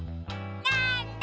なんだ？